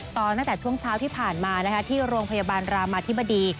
ตอนที่ช่วงเช้าที่ผ่านมานะคะที่โรงพยาบาลรามอธิบดี